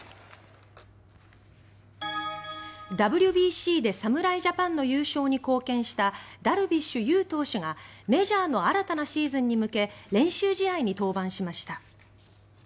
ＷＢＣで侍ジャパンの優勝に貢献したダルビッシュ有投手がメジャーの新たなシーズンに向け練習試合に登板しました。